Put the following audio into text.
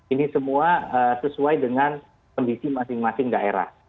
ini semua sesuai dengan kondisi masing masing daerah